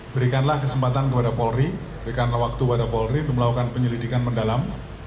berikanlah kesempatan kepada polri berikanlah waktu pada polri untuk melakukan penyelidikan mendalam